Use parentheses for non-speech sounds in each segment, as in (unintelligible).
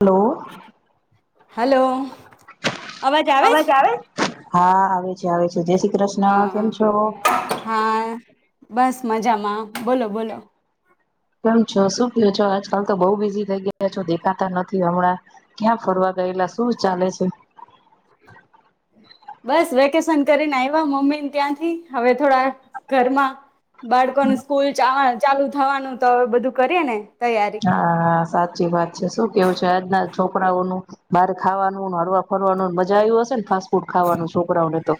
Hello! Hello! ! અવાજ આવે જ? હા આવે છે આવે છે. જય શ્રી કૃષ્ણ કેમ છો? હા બસ મજામાં બોલો બોલો. કેમ છો શું ક છો આજકાલ તો બહુ બિઝી થઈ ગયા છો દેખાતા નથી હમણાં ક્યાં ફરવા ગયેલા શું ચાલે છે? બસ વેકેશન કરીને આવ્યા મમ્મીને ત્યાંથી હવે થોડા ઘરમાં બાળકો ન સ્કૂલ ચા ચાલુ થવાનું તો હવે બધું કરીએ ને. તૈયારી હા હા સાચી વાત છે શું કેવું છે આજના છોકરાઓનું બરે ખાવાનું હળવા ફરવાનું મજા આવ્યું હશે ને ફાસ્ટ ફૂડ ખાવાનું છોકરાઓને તો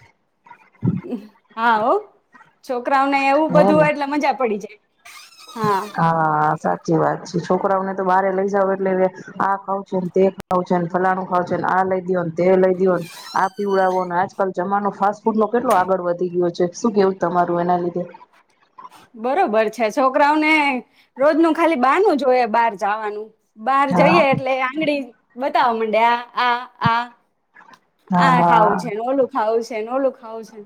હા હો છોકરાઓને એવું હે બધું ને હોય એટલે મજા પડી જાય હા હા સા જે વાત છે છોકરાઓને તો બરે લઈ જાવ એટલે આ ખાવ છે તે ખાવ છે ફલાણું ખાવ છે આ લઈ દો તે લઈ દયો આપ પીવડાવો ને આજકાલ જમાનું ફાસ ફૂડ નો કેટલો આગળ વધી ગયો છે શું કેવું તમારું એના લીધે બરોબર છે છોકરાઓને રોજ ન ખાલી બારનું જય બાર જવાનું બહાર હા જઈએે એટલે આંગળી મડે હ હ હા ખાવું છેને ઓલું ખાવું છે ઓલું ખાવ છે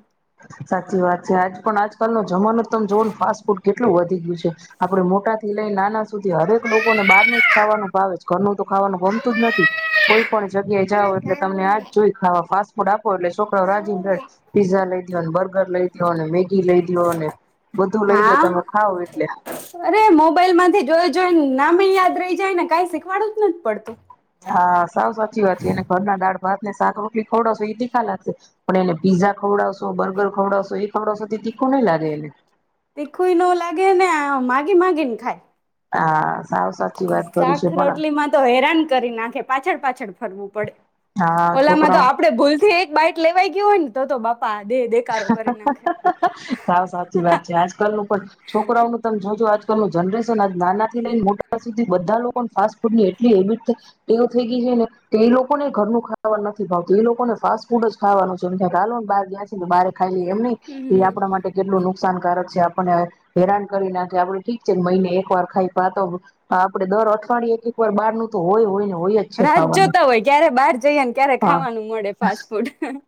સાચી વાત છે આજ પણ આજકાલ ન જમાાસ ફ એટલું વધી ગયું છે આપડે મોટા થી લઈ નાના સુધી હરેક લોકોને બહારનું જ ખાવાનું ભાવે છે ઘરનું તો ખાવાનું ગમતું જ નથી કોઈ પણ જગ્યાએ જાઓ એટલે તમને આજ જોઈ ફાસ બડા લે છોકરા રાજેન્દ્ર પીઝા લ અનભર ર લઈ અને મેગી લઈ અને બધું લઈ દો હા તમે ખાવ એટલે અરે મોબાઈલ માંથી જોઈ જોઈને નામે યાદ રહી જાય ને કઈ શીખવાડવું જ નથી પડતું હા સાૌ સાચી વાત છે એને ઘરના દાળ વાત ને શાક રટલી ખવડાવશો એ તીખા લાગશે પણ એને પીઝા ખવડાવશો બર્ગર ખવડાવશો એ ખવડાવશોથી તીખું નહી લાગે એને તીખું ન લાગે ને માગી માગીને ખાય હા સાવ સાચી વાત કરી છે શાક, પણ રોટલી માં તો હેરાન કરી નાખે. પાછળ પાછળ ફરવું પડે. હા ઓલામાં તો છોકરાઓ આપડે ભૂલ થી એક બાઈટ લેવાઈ ગયું હોય ને તો તો બા સાવ સાચી વાત છે, આજકાલનું પણ છોકરાઓનું તમે જોજો આજકાલનું જનરેશન તો નાનાથી લઈને મોટા સુધી બધા લોકોને ફાસ્ટ ફૂડ ની એટલી હેબિટ એવ થઈ ગઈ છે ને કે એ લોકો ને ઘરનું ખાવાનું નથી ભાવતુ એ લોકોને ફાસ્ટ ફૂડ જ ખાવાનું છે. કાલનું બાર બારે ખાઈલી એમ ની એ હમ આપણા માટે કેટલુ નુક નુકસાનકારક છે આપણને હેરાન કરી નાખે આપડે ઠીક છે ને મહિને એક વાર ખાઈ પણ આ તો આપડે દર અઠવાડયે એક વાર બાર નું તો હોય હોય ને હોય જ છે રાત ખાવાનું જોતા હોય ક્યારે બહાર જઈએ ને ક્યારે હા ખાવાનું મળે ફાસ્ટ ફૂડ.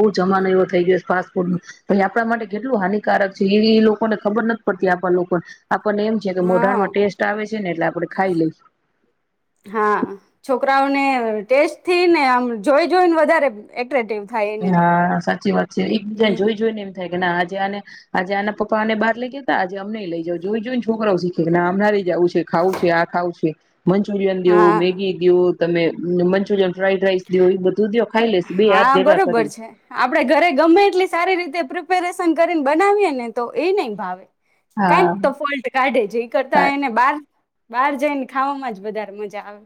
બહ જમાનો એવો થઈ ગયો ફાસ્ટફૂડ નુ આપણા માટે કેટલું હાનિકારક છે એ લોકોને ખબર નથી પડતી આપણા લોકોને. આપણને એમ છે કે હા મોઢામાં ટેસ્ટ આવે છે ને એટલે આપડે ખાઈ લઈ. હા છોકરાઓને ટેસ્ટથી ને આમ જોઈ જોઈને વધારે એટ્રેક્ટિવ થાય એને હા સાચી વાત છે એક બીજા હમ જોઈ જોઈ ને એમ થાય. આજે આને, આજે આના પપ્પાને બહાર લઈ ગયા હતા. અમને લઈ જ જાઓ જોઈ જોઈને ને છોકરા શીખે. ના આમનારી જવું છે ખાવું છે આ ખાવ છે. મંચુરિયન દયો હા મેગી દઉ. તમે મંચુરિન ફ્રાઈડ રાઈસ દ્યો બધું દયો ખાઈ લેશે બે હાથ ભેગા બબર કરીને છે આપડે ઘરે ગમે એટલી સારી રીતે પ્રિપેરેશન કરીને બનાવીએને તો એ નહી ભાવે. કાંઈક તો હા ફોલ્ટ કાઢે છે એ કરતા એને બાર બહાર જઈને ખાવામાં જ વધારે મજા આવે.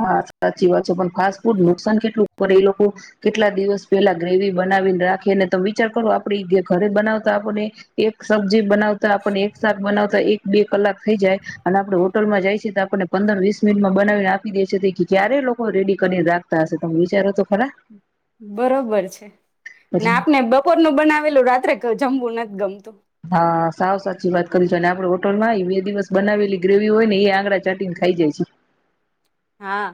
હા સાચી વાત છે પણ ફાસ્ટ ફૂડ નુકસાન કેટલું પર એ લોકો, કેટલા દિવસ પેલા ગ્રેવી બનાવીને રાખેને તમે વિચાર કરો આપડી ઘરે બનાવતા આપને એક સબ્જી બનાવતા આપણને એક સાથે બનાવતા એક બે કલાક થઈ જાય, અને આપડ હોટલમાં જાય છે તો આપણને પંદર વીસ મિનિટમાં બનાવીને દે છે તો ક્યારે લોકો રેડી કરીને રાખતા હશે તમે વિચારો તો ખરા. બરોબર છે, અને એટલે આપને બપોરનું બનાવેલું રાત્રે ક જમવું નથી. ગમતું. હા, સાવ સાચી વાત કરી છું અને આપડે હોટલમાં બે દિવસ બનાવેલી ગ્રેવી હોય ને એ આંગળા ચાટીને ખાઈ જઈશું. હા.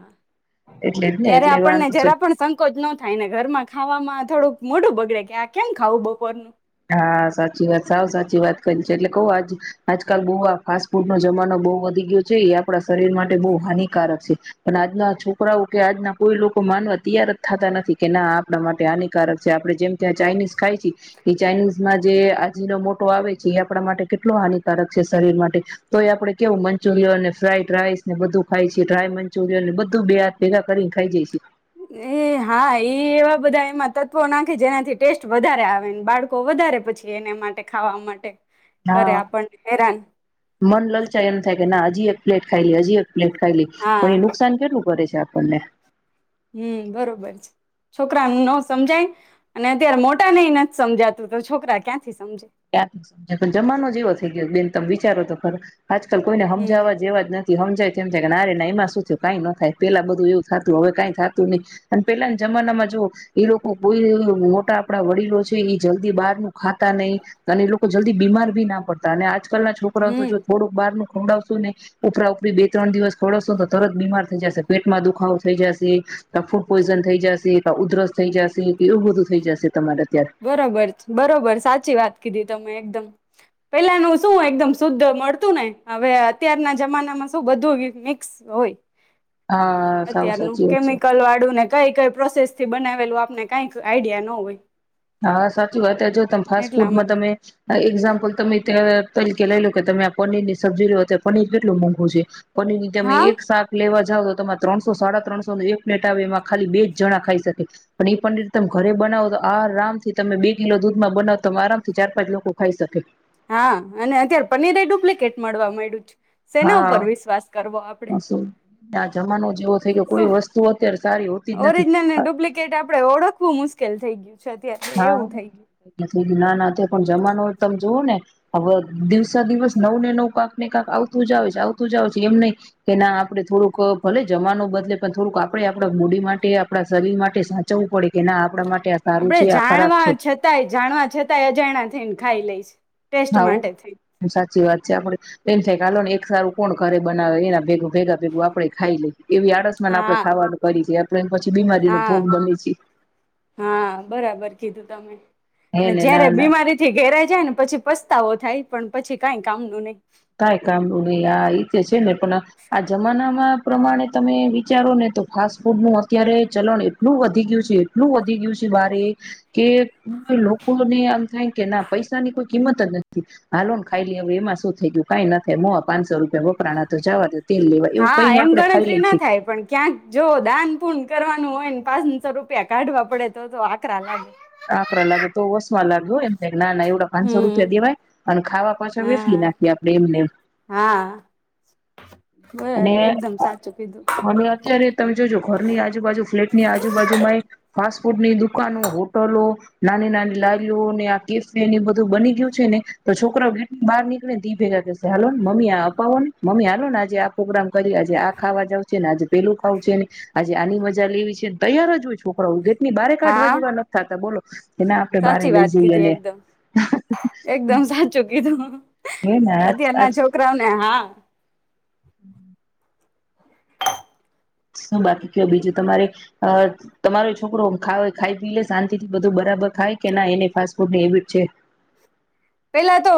એટલે જ ને ત્યારે એટલે આપણને વાંધો છે જરા પણ સંકોચ ન થાય ને ઘરમાં ખાવામાં થોડુંક મોઢું બગડે કે આ કેમ ખાવું બપોરનું. હા, સાચી વાત સાવ સાચી વાત કરી છે એટલે કઉં આજ આજકાલ બહુ આ ફાસ્ટ ફૂડનો જમાનો બહુ વધી ગયો છે એ આપડા શરીર માટે બહુ હાનિકારક છે. પણ આજના છોકરાઓ કે આજના કોઈ લોકો માનવા તૈયાર જ થતા નથી કે ના આપડા માટે હાનિકારક છે આપડે જેમ ત્યાં ચાઇનીઝ ખાય છે કે ચાઇનીઝમાં જે આ જીનો મોટો આવે છે એ આપણા માટે કેટલો હાનિકારક છે શરીર માટે તોયે આપડે કેવું મંચુરિયન ને ફ્રાઈડ રાઈસ ને બધું ખાઇએ છીએ. ડ્રાય મંચુરિયનને બધું બે હાથ ભેગા કરીને ખાઈ જઈશું. એ હા એ એવા બધા એમાં તત્વો નાખે જેનાથી ટેસ્ટ વધારે આવે બાળકો વધારે પછી એના માટે ખાવા માટે કરે હા, આપણને હેરાન મન લલચાય એમ થાય કે ના જી એક પ્લેટ ખાઈ લે હજી એક પ્લેટ ખાઈલી હા પણ એ નુકસાન કેટલું કરે છે. જા આપણને. હમ્મ, બરોબર છે. છોકરા ને નો સમજાય અને અત્યારે મોટા નનહી નથ સમજાતું તો છોકરા ક્યાં ત્યાં સમજે પણ જમાનો જે એવો થઈ ગયો બેન. તમે વિચારો તો ખરા આજકાલ કોઈને હમ હમજાવવા જેવા જ નથ થી. હમજાય તેમજાય કે નારે ના એમાં શું થું કઈ ન થાય પેલા બધું એવું થતું હવે કઈ થતું નહી અને પેલાના જમાનામાં જો એ લોકો કોઈ મોટા આપડા વડીલો છે એ જલ્દી બહારનું ખાતા નહી અને એ લોકો જલ્દી બીમાર ભી ના પડતા અને આજ કાલના છોકરાઓ તો હમ જો થોડક બારનું ખવડાવશો ને ઉપરા ઉપરી બે ત્રણ દિવસ ખવડાવશોને તો તરત બીમાર થઇ જશે પેટ માં દુખાવો થઈ જશે ક ફૂડ પોઈઝન થઈ જશે કા ઉધરસ થઈ જશે કે એવું બધું થઈ જશે. તમારે અત્યારે બરોબર છ બરોબર સાચી વાત કીધી. તમે એકદમ પેલાનું શું એકદમ શુદ્ધ મળતું ને હવે અત્યારના જમાનામાં શું બધું મિક્સ હોય હા સાવ અત્યારનું સાચી વાત છે કેમિકલવાળું ને કઈ કઈ પ્રોસેસ થી બનાવેલું આપને કઈક આઈડિયા ન હોય હા, સાચી વાતં જો તમે ફાસ્ટ એટલા ફૂડમાં માટે તમે એક્ઝામ્પલ તમે ત્યાં તરીકે લઈ લો કે તમે આ પનીર ની સબ્જી લો પનીર કેટલું મોંઘું છે. (unintelligible) તમે હા એક શાક લેવા જાવ ત્રણસો સાડા ત્રણસો એક પ્લેટ આવે એમાં ખાલી બે જણા ખાઈ શકે. એ જ પનીર તમે ઘરે બનાવો તો આ રામ થી તમે બે કિલો દૂધમાં બનાવ તમે આરામથી ચાર પાંચ લોકો ખાઈ શકે. હા, અને અત્યારે પનીર એ ડુપ્લિકેટ મળવા માંડ્યું છે. શેના હા, ઉપર વિશ્વાસ કરવો આપડે ઓશું આ જમાનો જેવો થઈ ગયો કોઈ શું વસ્તુ અત્યારે સારી હોતી જ નથી અ. લ થઈ ગયું. છે અત્યારે હા, એવું થઈ ગયું નથી, ના ના તે પણ જમાનો તમે જોવો ને હવે દિવસે દિવસ નવું ને નવ કાંક ને કાંક આવતું જ આવે છે આવતું જ આવે છે એમ નહી કે ના આપડે થોડુંક ભલે જમાનું બદલે પણ થોડુંક આપણેે આપડા બોડી માટે આપણા શરીર માટે સાચવવું પડે. એના આપણા માટે સારું આપડે છે આ ખરાબ જાણવા છે છતાંય જાણવા છતાંય અજાણા થઈને ખાઈ લઈ લાઇ છે. ટેસ્ટ માટે થઈ હવું સાચી વાત આપે એમ થાય કે આાલો ને એક સારું કોણ ઘરે બનાવે એના ભેગું. ભેગા ભેગું આપડે ખાઈ લઈએ એવી આડસમાંને આપડણે હા ખાવાનું કરી છે. બ (unintelligible) હા હા બરાબર કીધું તમે. હે અને ને જયારે ના ના બીમારી થી ઘેરાય જાયને પછી પસ્તાવો થાય પણ પછી કઈ કામ નું નઈ. કાઈ કામનું નહી આ રીતે છે ને આ જમાનામાં પ્રમાણે તમે વિચારો ને તો ફાસ્ટ ફૂડ નું અત્યારે ચલણ એટલું વધી ગયું છે એટલું વધી ગયું છે બારે કે લોકોને આમ થાય કે ના પૈસાની કોઈ કિંમત જ નથી હાલો ને ખાઈલી હવે એમાં શું થઈ ગયું. કઈ નથી મો પાંચસો રૂપિયા વપરાણા તો જાવા દે. તેલ લેવા એવું હા કઈને એમ આપડે ખાઈ ગણતરી લઈ ના છીએ થાય પણ ક્યાંક જો દાન પુણ કરવાનું એ તો હોય ને પાંચસો રૂપિયા કાઢવા પડે તો આકરા લાગે. આાક્ર લાગ હત તો ઓસ્મા લાગું એ ના ના એવડ પાંચસો હમ રૂપિયા દેવાય અને ખાવા પાછા હા વેડફી નાખીએ આપે એમને હા અને બરાબર એકદમ સાચું કીધું અને અત્યારે તમે જોજો ઘરની આજુબાજુ ફ્લેટની આજુબાજુમાં એક ફાસ્ટ ફૂડની દુકાનો હોટલો નાની નાની લારીઓ ને આ કેફે ને એ બધું બની ગયું છે ને તો છોકરા ગેટ બહાર નીકળે ને તે ભેગા કેસે હાલો મમ્મી આ અપાવો ને મમ્મી હાલલો ને આજે પ્રોગ્રામ કરી આજે આ ખાવા જાવ છે ને આજે પેલું ખાવું છે ને આજે આની મજા લેવી છેને તૈયાર જ હોય છોકરાઓ લે ની બારે કાઢવા હા જેવા નથી થતા બોલો (inaudible) બારે સાચી લઈ વાત જઈએ કીધી ને એકદમ એકદમ સાચું કીધું હે ને આજ અત્યારના છોકરાઓને હા (inaudible) શું બાકી કયો બીજું તમારે તમારો છોકરો ખ ખાઈ પીલે શાંતિ થી બધું બરાબર ખાય કે ના એને ફાસ્ટ ફૂડની હેબિટ છે પેલા તો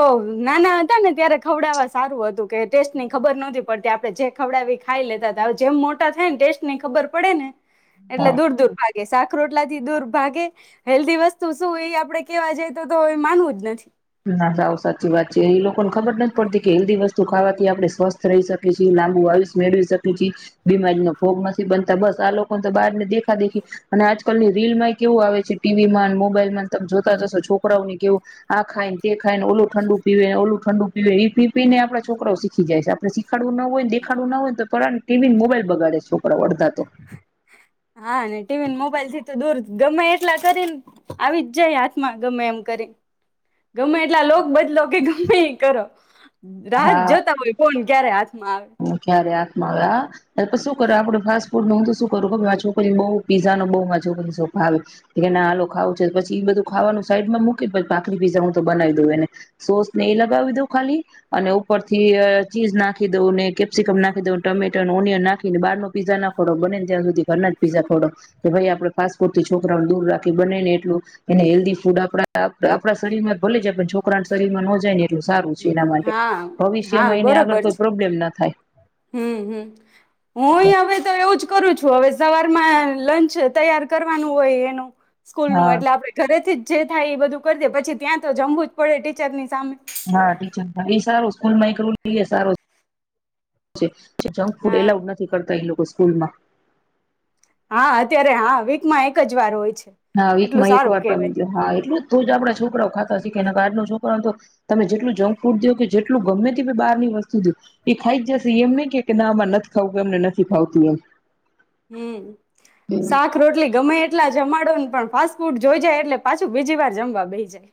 નાના હતા ને ત્યારે ખવડાવવા સારું હતું કે ટેસ્ટ ની ખબર નતી પડતી આપડે જે ખવડાવી ખાઈ લેતા હતા હવે જેમ મોટા થાય ને ટેસ્ટ ની ખબર પડે ને હા એટલે દૂર દૂર ભાગે શાક રોટલા થી દૂર ભાગે હેલ્ધી વસ્તુ શું એ આપડે કેવા જાય તો તો એ માનવું જ નથી ના સાવ સાચી વાત છે એ લોકોને ખબર નથી પડતી કે હેલ્ધી વસ્તુ ખાવાથી આપણેે સ્વસ્થ રહી શકીએ છીએ લાંબુ આયુષ્ય મેળવી શકીએ છીએ બીમારીનો ભોગ નથી બનતા બસ આ લોકોને તો બહારને દેખા દેખી અને આજકાલની રીલ માં કેવું આવે છે ટીવી માં મોબાઈલમાં તમે જોતા જ હશો છોકરાઓને કેવું આ ખાઈતી એક ખાઇને ઓલુ ઠંડુ પીવે ઓલુ ઠંડુ પીવે એ પી પીને આપણા છોકરાઓ શીખીજાય છે આપણે શીખ કડવું ન હોય ને દેખાડું ન હોય તો પરાણે ટીવી ને મોબાઈલ બગાડે છે છોકરાઓ અડધા તો હા ને ટીવી ને મો થી તો દૂર ગમે એટલા કરીને આવી જ જાય હાથમાં ગમે એમ કરી ગમે એટલા લોક બદલો કે ગમે એ કરો રાહત હા જોતા હોય ફોન ક્યારે હાથમાં આવે ક્યારે હાથમાં આવે પણ તો શું કરે આપડો ખાસ પણ હું તો શું કરું કઉ મારી છોકરીઓ બઉ પીઝા નો બઉ મારી છોકરીઓ છે ભાવે તો કે ના આાલોખાવું છે તો પછી એ બધું ખાવાનું સાઈડમાં મૂકી પછી ભાખરી પીઝા હું તો બનાવી દઉં એને સોસ ને એ લગાવી દઉં ખાલી અને ઉપર થી ચીઝ નાખી દઉં ને કેપ્સિકમ નાખી દઉ ટમેટર અને ઓનિયન નાખી ને બારો પીઝા ના ખોડો બને ને ત્યાં સુધી ઘરના જ પીઝા ખોડો, કે ભાઈ આપણે ફાસ્ટ ફૂડ થી છોકરાઓું દૂર રાખી બને ને એટલું, એને હેલ્ધી ફૂડ આપ આપડા શરમાં જ ભલે જાય પણ છોકરાને શરીરમાં નો જાય ને એટલ સારું છે એના માટે. હા હા ભવિષ્યમાં એને આગળ બરોબર છે કોઈ પ્રોબ્લેમના થાય. હમ હ, હું હવે તો એવું જ કરું છું હવે સવારે લંચ તૈયાર કરવાનું હોય એનું સ્કૂલ નું હા એટલે આપડે ઘરેથી જ જે થાય એ બધું કરી દે પછી ત્યાં તો જમવું જ પડે ટીચરની સામે. હા ટીચર એ સારું સ્કૂલમાં એક કરું સારું છે, જે જંક ફૂડ હા એલાઉડ નથી કરતા એ લોકો. લોકો સ્કૂલમાં. હા અત્યારે હા વીક માં એક જ વાર હોય છે. હા એટલું વીકમાં એક સારું વાર તમે કેવાય જો હા એટલું થું જ આપડા છોકરા ખા કાર ન છોકરો તો, તમે જેટલું જંક ફૂડ દો કે જેટલું ગમે તે બહારની વસ્તુ દ એ ખાઈ જશે એમ ને કે ના આમાં નથી ખાવું કે એમને નથી ખાવતું એમ. હમ્મ, શાક રોટલી ગમે એટલા જમાડો ને પણ ફાસ્ટ ફૂડ જોઈ જાય એટલે પાછું બીજી વાર જમવા બેહી જાય.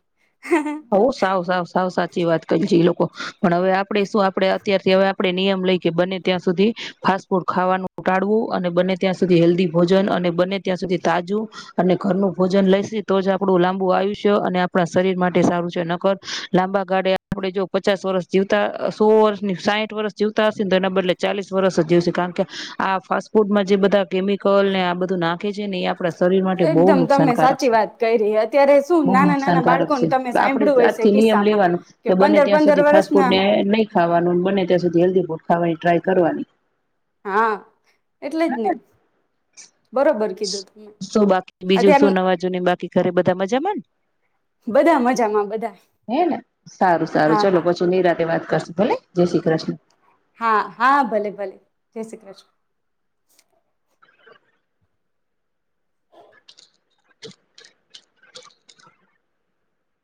હો સાવ સાવ સાવ સાચી વાત કર જીલો કો પણ હવે આપડે શું આપડે અત્યારથી હવે આપડે નિયમ લઈ કે બને ત્યાં સુધી ફાસ્ટ ફૂડ ખાવાનું ટાળવું અને બને ત્યાં સુધી હેલ્ધી ભોજન અને બને ત્યાં સુધી તાજું અને ઘરનું ભોજન લઈશે તો જ આપડું લાંબુ આયુષ્ય અને આપડા શરીર મા ટે સારું છે. નકર લાંબા ગાળે આપડે જો પચાસ વર્ષ જીવતા સો વર્ષની સાહીઠ વર્ષ જીવતા હશેને તો એના બદલે ચાલીસ વર્ષ જ જીવશે કારણ કે આ ફાસ્ટ ફૂડમાં જે બધા કેમિકલ ને આ બધું નાખે છે ને એ આપડા શરીર માટે બહુ એકદમ તમે નુકસાનકારક સાચી છે, વાત કરી અત્યારે શું બહુ નાના નાના નુકસાનકારક બાળકોને છે. તમે આપડે સાંભળ્યું હશે આજથી નિયમ કિસ્સામાં લેવાનું કે બને પંદર ત્યાં પંદર સુધી ફાસ્ટ ફૂડ વર્ષના ને નહી ખાવાનું બને ત્યાં સુધી હેલ્ધી ફૂડ ખાવાની ટ્રાય કરવાની. હા, એટલે જ ને બરોબર કીધું તમે શું અત્યાર ની તે મજામાન. બધા મજ હે ને સારું સારું હા ચલો હા પછું નિરાતે વાત કરશું ભલે. જય શ્રી કૃષ્ણ. હા હા ભલે ભલે. જય શ્રી કૃષ્ણ.